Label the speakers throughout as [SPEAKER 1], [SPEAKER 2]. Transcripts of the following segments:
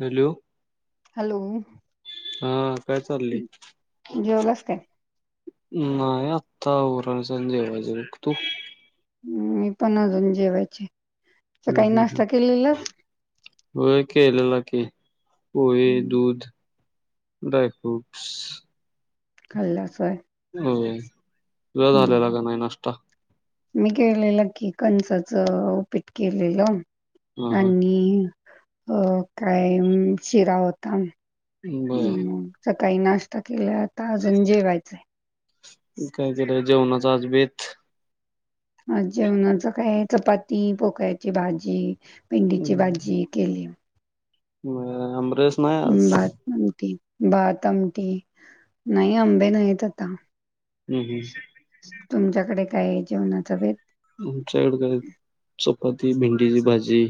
[SPEAKER 1] Hello.
[SPEAKER 2] Hello.
[SPEAKER 1] हा काय चाललय?
[SPEAKER 2] जेवलास काय
[SPEAKER 1] नाही आत्ता आवरायचं आणि जेवायचं तू.
[SPEAKER 2] मी पण अजून जेवायची,
[SPEAKER 1] हम्म
[SPEAKER 2] सकाळी
[SPEAKER 1] हम्म
[SPEAKER 2] नाश्ता केलेलास?
[SPEAKER 1] हम्म होय केलेला की, पोहे, दूध, ड्रायफ्रुटस.
[SPEAKER 2] खाल्लास होय.
[SPEAKER 1] हो, तुझा झालेला का नाही नाष्टा?
[SPEAKER 2] मी केलेलं की कंणसाच उपीट केलेलं,
[SPEAKER 1] हा हा
[SPEAKER 2] आणि अ काय शिरा होता.
[SPEAKER 1] बर.
[SPEAKER 2] काही नाश्ता केला आता अजून जेवायचंय.
[SPEAKER 1] काय केलं जेवणाच आज बेत?
[SPEAKER 2] आज जेवणाच काय, चपाती, पोकळ्याची भाजी. भेंडीची
[SPEAKER 1] हम्म
[SPEAKER 2] भाजी केली.
[SPEAKER 1] आमरस नाही आज?
[SPEAKER 2] भात आमटी भात, आमटी नाही, आंबे नाहीत आता.
[SPEAKER 1] हम्म हम्म.
[SPEAKER 2] तुमच्याकडे काय जेवणाचा बेत?
[SPEAKER 1] आमच्याकड काय चपाती, भेंडीची भाजी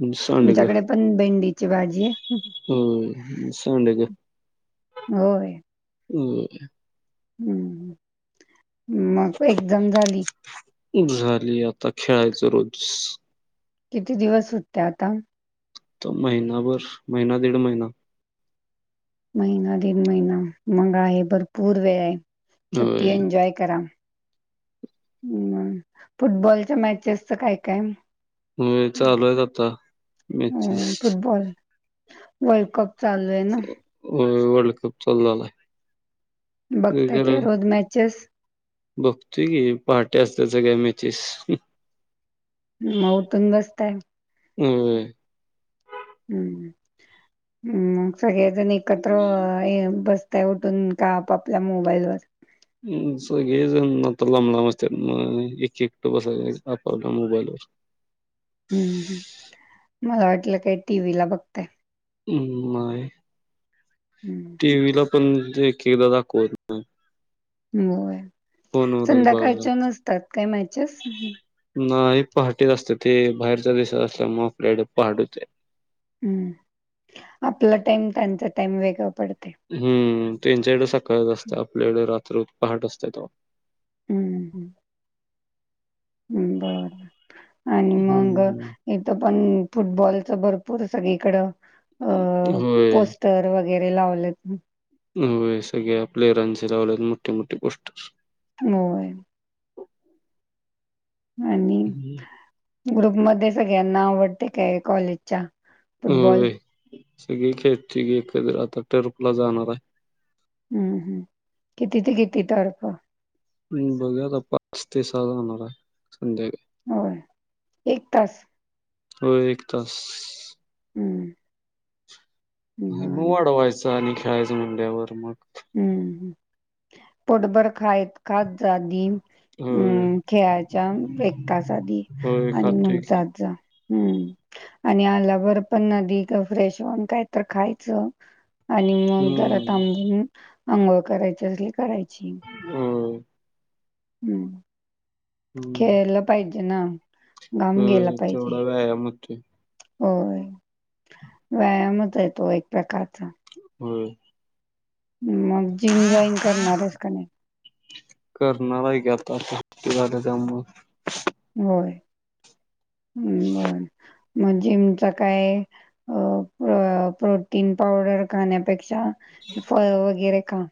[SPEAKER 1] आणि
[SPEAKER 2] तुमच्याकडे पण भेंडीची भाजी आहे.
[SPEAKER 1] हं सांडग्या
[SPEAKER 2] होय.
[SPEAKER 1] ह
[SPEAKER 2] हम् मग
[SPEAKER 1] झाली आता खेळायचं रोज
[SPEAKER 2] किती दिवस सुट्या आता
[SPEAKER 1] त महिनाभर महिना दीड महिना
[SPEAKER 2] महिना दीड महिना मंग आहे. भरपूर वेळ आहे. सुट्टी
[SPEAKER 1] होय
[SPEAKER 2] एन्जॉय करा. हम् फुटबॉलच्या मॅचेस च काय? काय?
[SPEAKER 1] होय चालू आहेच आता
[SPEAKER 2] अ
[SPEAKER 1] मॅचेस
[SPEAKER 2] फुटबॉल वर्ल्ड कप चालू आहे ना?
[SPEAKER 1] हो वर्ल्ड कप चालू झालाय ते
[SPEAKER 2] बघताय काय?
[SPEAKER 1] खरं
[SPEAKER 2] रोज मॅचेस,
[SPEAKER 1] बघतोय की, पहाटे असल्यात सगळ्या मॅचेस
[SPEAKER 2] म, उटून बसताय
[SPEAKER 1] होय
[SPEAKER 2] हम्म हम्म मग सगळे जण एकत्र बस ता उठून का, आपापल्या, मोबाईल वर
[SPEAKER 1] सगळे जण आता लांबलाब असत्यात म एक एकट बसाएच आपपल्या मोबाईलवर
[SPEAKER 2] हम्म ह मला वाटलं काय टीव्ही ला बघताय
[SPEAKER 1] हम्म नाही
[SPEAKER 2] हम्म.
[SPEAKER 1] टी व्ही ला पण के दादा को,
[SPEAKER 2] हो
[SPEAKER 1] बघायला लागतं
[SPEAKER 2] संध्याकाळच्या नसतात कायं मॅचेस?
[SPEAKER 1] पहाटे असते ते बाहेरच्या, दिशात असल्या मग आपल्याडे पहाट होते
[SPEAKER 2] हम्म आपला टाईम त्यांचा टाईम वेगळा पडतो.
[SPEAKER 1] हम्म त्यांच्याकडे सकाळच असते. आपल्याकडे रात्र पहाट असत तो.
[SPEAKER 2] बर, आणि मग,
[SPEAKER 1] हम्म
[SPEAKER 2] इथं पण फुटबॉलच भरपूर पुरं सगळीकड अ
[SPEAKER 1] होय
[SPEAKER 2] पोस्टर वगैरे लावलेत
[SPEAKER 1] हो सगळ्या प्लेअरांचे लावल्यात मोठे मोठे पोस्टर.
[SPEAKER 2] होय. आणि ग्रुप मध्ये सगळ्यांना आवडते काय कॉलेजच्या फुटबॉल
[SPEAKER 1] सगळी खेळची की एकद आता टर्प ला जाणार आहे.
[SPEAKER 2] हम्म हम्म किती ते किती तर्फ?
[SPEAKER 1] हम् बघूया आता पाच ते सहा जाणार आहे संध्या.
[SPEAKER 2] होय एक तास
[SPEAKER 1] होय एक तास.
[SPEAKER 2] हं.
[SPEAKER 1] मग
[SPEAKER 2] बरं.
[SPEAKER 1] वाढवायचं आणि खेळायचं म्हंल्यावर मग,
[SPEAKER 2] हम्म पोटभर खाय खात जा आदी
[SPEAKER 1] होय
[SPEAKER 2] हम्म खेळायच्या एक तास आधी
[SPEAKER 1] होय
[SPEAKER 2] आणि मग
[SPEAKER 1] खातोय की
[SPEAKER 2] जात जा. हम्म आणि आलावर पण आदी फ्रेश हून काय तर खायचं आणि मग जरा
[SPEAKER 1] हम्म
[SPEAKER 2] थांबून अंगोळ करायच असली तर करायची.
[SPEAKER 1] होय
[SPEAKER 2] हम्
[SPEAKER 1] हम्म
[SPEAKER 2] खेळलं पाहिजे ना. घाम गेला
[SPEAKER 1] होय
[SPEAKER 2] पाहिजे.
[SPEAKER 1] तेवढा व्यायाम होतोय
[SPEAKER 2] होय, व्यायामच हाय तो एक प्रकारचा.
[SPEAKER 1] होय.
[SPEAKER 2] मग जिम जॉईन करणार आहेच का नाही?
[SPEAKER 1] करणार आहे, की आता सुट्टी झाल्या त्यामुळं
[SPEAKER 2] होय, हम्म होय. मग जिमच काय? अ प्रोटीन पावडर खाण्यापेक्षा फळ वगैरे खा.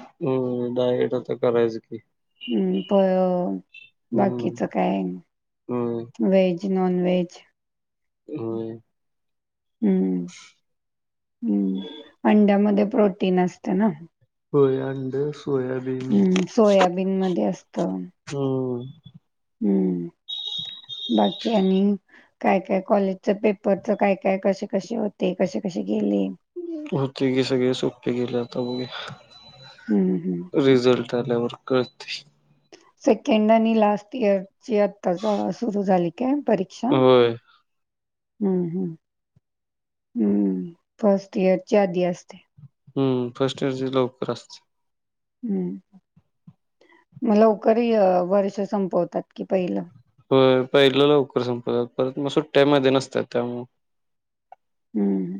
[SPEAKER 1] हम्म डाईट आता करायच की.
[SPEAKER 2] हम्म प
[SPEAKER 1] हम्म
[SPEAKER 2] बाकीच काय
[SPEAKER 1] होय
[SPEAKER 2] आणि व्हेज नॉनव्हेज
[SPEAKER 1] नाही.
[SPEAKER 2] हम्म, हम्म. अंड्यामध्ये प्रोटीन असतं ना?
[SPEAKER 1] होय आंड, सोयाबीन
[SPEAKER 2] हम्म सोयाबीन मध्ये असतं
[SPEAKER 1] हम्म.
[SPEAKER 2] हम्म. बाकी आणि? काय, काय कॉलेजच पेपरच काय, काय कसे कसे होते, कसे कसे गेले?
[SPEAKER 1] होते की सगळे सोपे गेले आता बघुया.
[SPEAKER 2] हम्म, हम्म.
[SPEAKER 1] आल्यावर कळतंय.
[SPEAKER 2] सेकंड आणि लास्ट इयरची आता सुरू झाली काय परीक्षा?
[SPEAKER 1] होय
[SPEAKER 2] हम्म, हम्म, हम्म.
[SPEAKER 1] हम्म, फर्स्ट इयरची लवकर असते.
[SPEAKER 2] हम्म, मग हे लवकर वर्ष संपवतात कि पहिलं.
[SPEAKER 1] होय पहिलं लवकर संपवत्यात, परत मग सुट्ट्या मध्ये नसत्यात त्यामुळं.
[SPEAKER 2] हम्म.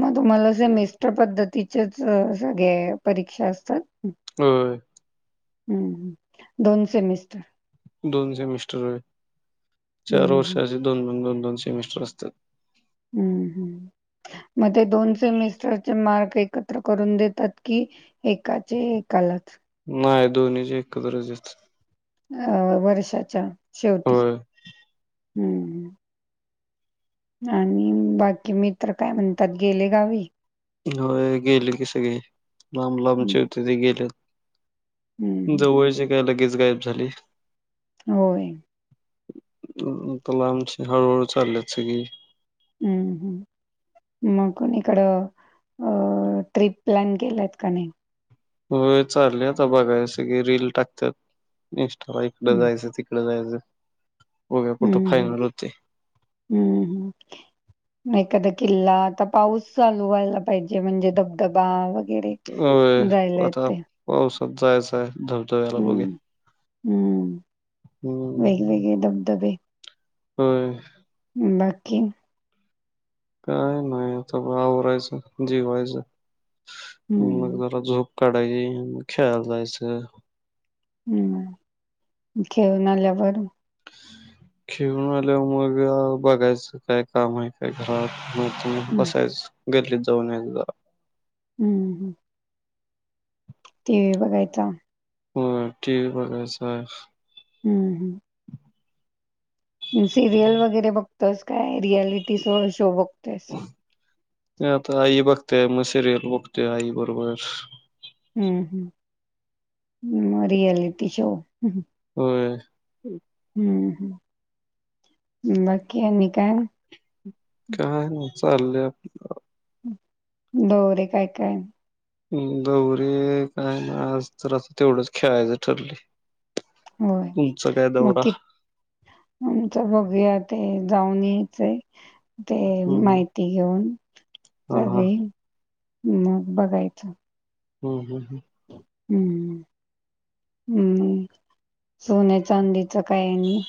[SPEAKER 2] मग तुम्हाला असे मिस्ट पद्धतीचेच सगळे परीक्षा असतात?
[SPEAKER 1] होय.
[SPEAKER 2] हम्म, दोन सेमिस्टर.
[SPEAKER 1] दोन सेमिस्टर होय. चार
[SPEAKER 2] हं, हं.
[SPEAKER 1] वर्षाचे दोन, दोन, दोन. दोन सेमिस्टर असत्यात.
[SPEAKER 2] हम्म, हम्म. मग ते दोन सेमिस्टरचे मार्क एकत्र करून देतात, की एकाचे एकालाच?
[SPEAKER 1] नाही दोन्हीचे एकत्रच देत्यात.
[SPEAKER 2] अ वर्षाच्या शेवटी, हम्म. आणि बाकी मित्र काय म्हणतात गेले गावी?
[SPEAKER 1] होय गेले की सगळे, लांब
[SPEAKER 2] हं,
[SPEAKER 1] लांबचे होते ते गेल्यात.
[SPEAKER 2] हं, हं.
[SPEAKER 1] जवळचे काय लगेच गायब झाली.
[SPEAKER 2] होय.
[SPEAKER 1] मग आता लांबची हळूहळू चालल्यात सगळी.
[SPEAKER 2] हम्म, हम्म. मग कुणीकडं अ ट्रिप प्लॅन केलात काय नाही?
[SPEAKER 1] होय चाललंय आता बघायच सगळे रील टाकत्यात. नेक्स्ट कवा इकडं जायचं, तिकड जायचं. बघूया कुठं
[SPEAKER 2] हम्म, हम्म.
[SPEAKER 1] फायनल होते
[SPEAKER 2] हम्म, हम्म मग एखाद किल्ला, आता पाऊस चालू व्हायला पाहिजे म्हणजे धबधबा वग
[SPEAKER 1] होय. आता पावसात जायच हाय धबधब्याला बघुया.
[SPEAKER 2] हम्म, हम्म, ‌वेगवेगळे धबधबे.
[SPEAKER 1] होय.
[SPEAKER 2] बाकी?
[SPEAKER 1] काय नाही आता आवरायचं, जेवायचं, मग
[SPEAKER 2] हम्म,
[SPEAKER 1] जरा झोप काढायची मग खेळायला जायचं.
[SPEAKER 2] हम्म. खेळून आल्यावर?
[SPEAKER 1] खेळून आल्यावर मग बघायचं काय काम आहे काय घरात. मग तून
[SPEAKER 2] हम्म,
[SPEAKER 1] बसायचं गल्लीत जाऊन एक जरा.
[SPEAKER 2] हम्म हम्म. टेव्ही बघायचा.
[SPEAKER 1] होय टीव्ही बघायचा.
[SPEAKER 2] हम्म हम्म. सिरियल वगैरे बघतोस काय? रियालिटी शो शो बघतोयेस?
[SPEAKER 1] सिरीयल बघतोय आई बरोबर
[SPEAKER 2] हम्म हम् ह् रियालिटी शो
[SPEAKER 1] होय
[SPEAKER 2] हम् ह बाकी आनी काय
[SPEAKER 1] चाललय आपल
[SPEAKER 2] दोरे काय काय
[SPEAKER 1] दौरे काय नाहि आज तर असं तेवढंच खेळायचं ठरले
[SPEAKER 2] होय
[SPEAKER 1] तुमचं काय
[SPEAKER 2] मग
[SPEAKER 1] दौरा
[SPEAKER 2] कि आमचं बघूया ते जाऊन यायचंय ते
[SPEAKER 1] हम्म
[SPEAKER 2] माहिती घेऊन
[SPEAKER 1] हा हा
[SPEAKER 2] सगळी मग बघायचं
[SPEAKER 1] हो हो हो
[SPEAKER 2] हम्म हम्म सोन्या चांदीच काय आणी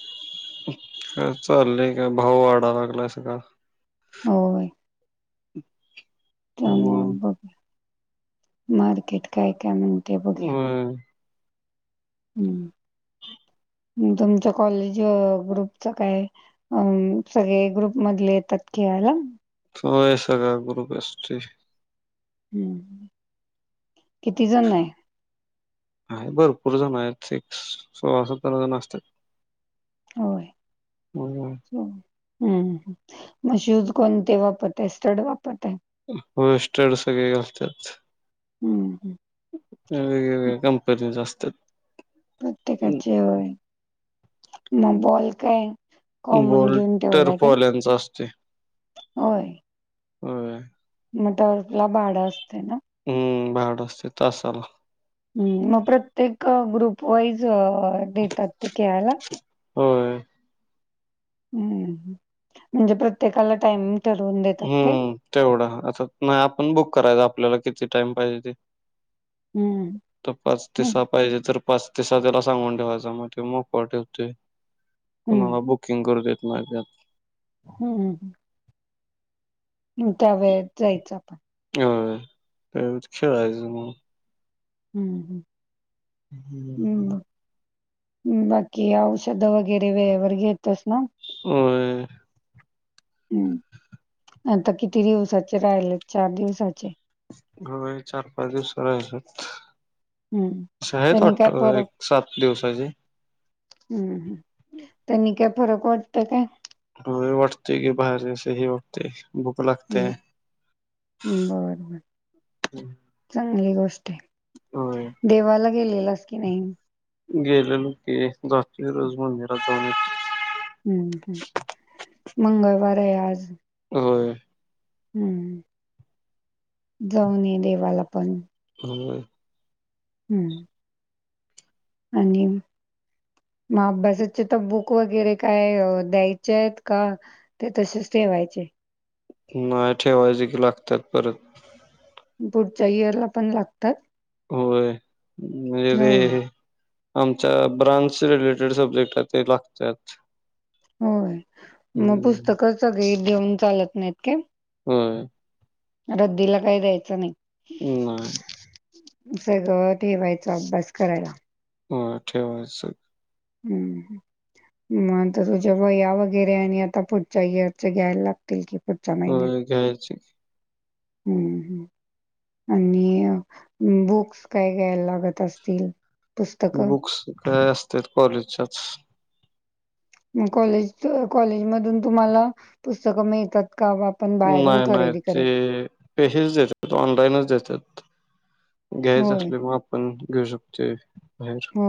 [SPEAKER 1] काय चाललय काय भाव वाढा लागलाय स
[SPEAKER 2] होय
[SPEAKER 1] जे [unintelligible]
[SPEAKER 2] च मग बघ मार्केट काय काय म्हण
[SPEAKER 1] होय
[SPEAKER 2] हम्म तुमच्या कॉलेज ग्रुपच काय अ सगळे ग्रुप मधले येतात कि हँलो
[SPEAKER 1] होय सगळा ग्रुप असतोय
[SPEAKER 2] हम् किती जण आहे
[SPEAKER 1] आहे भरपूर जण आहेत सिक्स सोळा सतरा जण असतात
[SPEAKER 2] होय
[SPEAKER 1] हम्
[SPEAKER 2] हम्म मग शूज कोणते वापरतय स्टड वापरतय
[SPEAKER 1] होय स्टड सगळे असतात
[SPEAKER 2] हम्म
[SPEAKER 1] वेगवेगळ्या कंपनी असतात
[SPEAKER 2] प्रत्येकाचे म ब काय [unintelligible] कॉमन घेऊन
[SPEAKER 1] बल्टर
[SPEAKER 2] ठेवलाय काय
[SPEAKER 1] फॉल्याचा असतोय
[SPEAKER 2] होय मग ट्रायवल्स ला भाड असते ना
[SPEAKER 1] हम्म भाड असतय तासाला
[SPEAKER 2] ह् मग प्रत्येक ग्रुप वाईज देतात ते खेळायला
[SPEAKER 1] होय
[SPEAKER 2] हम्म म्हणजे प्रत्येकाला टाइम
[SPEAKER 1] हम्म तेवढं आता नाही आपण बुक करायचं आपल्याला किती टाइम पाहिजे ते
[SPEAKER 2] हं
[SPEAKER 1] तर पाच ते
[SPEAKER 2] हं
[SPEAKER 1] सहा पाहिजे तर पाच ते सा त्याला सांगून ठेवायच मग ते मोक ठेवते कुणाला बुकिंग करून देत लागत [unintelligible]
[SPEAKER 2] हम्म हम् ह् हम् त्या वेळेत जायचं आपण
[SPEAKER 1] हो तेव खेळायच मग
[SPEAKER 2] हम्म हम्म
[SPEAKER 1] हम् ह [unintelligible]
[SPEAKER 2] ह् बाकी औषध वगैरे वेळेवर घेतेस ना?
[SPEAKER 1] होय
[SPEAKER 2] हम्म आता किती दिवसाचे राहिले चार दिवसाचे?
[SPEAKER 1] हो चार पाच दिवसाचे राहिलेत.
[SPEAKER 2] हं
[SPEAKER 1] आहेत
[SPEAKER 2] त्यांनी
[SPEAKER 1] वाटत
[SPEAKER 2] काय
[SPEAKER 1] एक सात दिवसाचे.
[SPEAKER 2] हम्म ह त्यांनी काय फरक वाटतोय का?
[SPEAKER 1] होय वाटते गी बाहेरसही वाटते.
[SPEAKER 2] हम्म बर बर चग चांगली गोष्ट
[SPEAKER 1] होय.
[SPEAKER 2] आहे देवाला गेलेलाच कि नाही?
[SPEAKER 1] गेलेलो की दसवी रोज म मरा जाऊन य.
[SPEAKER 2] हं, हं. मंगळवार आहे आज.
[SPEAKER 1] होय
[SPEAKER 2] हम्म जाऊन ये देवाला पण.
[SPEAKER 1] हो
[SPEAKER 2] हम्म आणि मग अभ्यासाचे तर बुक वगैरे काय द्यायचे आहेत का ते तशेच ठेवायचे.
[SPEAKER 1] नाही ठेवायचे की लागतात परत.
[SPEAKER 2] पुढच्या इयरला पण लागतात?
[SPEAKER 1] होय रे
[SPEAKER 2] होय,
[SPEAKER 1] [unintelligible] आमच्या ब्रांच रिलेटेड सब्जेक्ट ते लागतात.
[SPEAKER 2] होय मग
[SPEAKER 1] हम्म
[SPEAKER 2] पुस्तक सगळी देऊन चालत नाहीत का?
[SPEAKER 1] होय
[SPEAKER 2] रद्दीला काही द्यायचं नाही.
[SPEAKER 1] नाही.
[SPEAKER 2] सगळं ठेवायचं अभ्यास करायला.
[SPEAKER 1] ह ठेवायच सगळं.
[SPEAKER 2] हम्म मग तर तुझ्या वया वगैरे आणि आता पुढच्या इअरच घ्यायला लागतील कि?
[SPEAKER 1] हो घ्यायच.
[SPEAKER 2] हम्म हम्म आणि बुक्स काय घ्यायला लागत असतील. पुस्तकं
[SPEAKER 1] बुक्स काय असतत्यात कॉलेजच्याच.
[SPEAKER 2] ग कॉलेज कॉलेज मधून तुम्हाला पुस्तक मिळतात. का आपण बाहेरून
[SPEAKER 1] नाही नाही
[SPEAKER 2] खरेदी
[SPEAKER 1] ते
[SPEAKER 2] करेल?
[SPEAKER 1] पेहीच देतात ऑनलाईनच देतात. घ्यायच
[SPEAKER 2] होय
[SPEAKER 1] असल्या म आपण घेऊ शकतोय. बाहेर
[SPEAKER 2] हो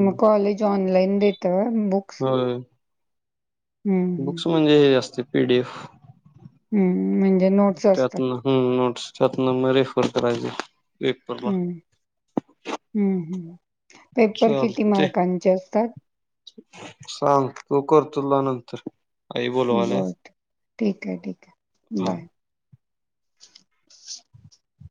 [SPEAKER 2] मग कॉलेज ऑनलाइन देत बुक्स.
[SPEAKER 1] होय
[SPEAKER 2] हम्म हम्म.
[SPEAKER 1] बुक्स म्हणजे हे जास्ते पीडीएफ.
[SPEAKER 2] हम्म म्हणजे नोट्स असतात
[SPEAKER 1] त्यातन हम नोट्स त्यातन म रेफर करायची.
[SPEAKER 2] हम्म हम्म हम्म पेपर किती
[SPEAKER 1] चालतय
[SPEAKER 2] मार्कांचे असतात?
[SPEAKER 1] सांगतो कर तुला नंतर. तर
[SPEAKER 2] बर ठीक आहे ठीक आहे बाय. [inaudible]